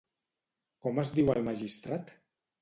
Com es diu el magistrat?